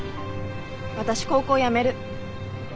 私高校やめる。